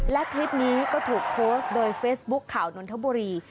และคลิปนี้ก็ถูกโพสต์โดยเฟซบุ๊คข่าวนนทบุรี